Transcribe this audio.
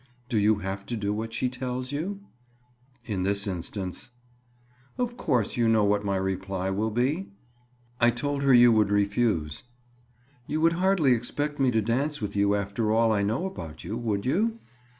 "Do you have to do what she tells you?" "In this instance." "Of course you know what my reply will be?" "I told her you would refuse." "You would hardly expect me to dance with you after all I know about you, would you?"